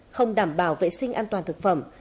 không đảm bảo vệ sinh an toàn thực phẩm